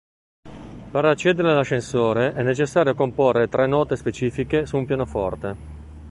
Per accedere all'ascensore è necessario comporre tre note specifiche su un pianoforte.